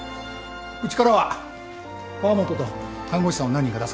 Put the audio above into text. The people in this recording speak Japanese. うちからは河本と看護師さんを何人か出すから。